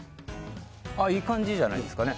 いい感じじゃないですかね。